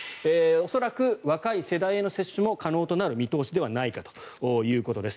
恐らく若い世代への接種も可能となる見通しではないかということです。